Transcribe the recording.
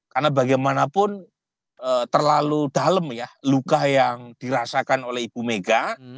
karena bagaimanapun terlalu dalem ya luka yang dirasakan oleh ibu mega